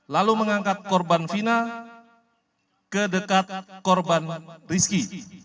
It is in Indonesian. lalu mengangkat korban fina ke dekat korban rizky